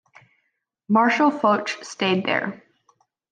Marshal Foch stayed there.